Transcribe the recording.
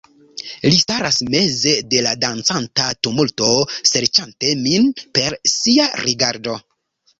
Li staras meze de la dancanta tumulto, serĉante min per sia rigardo..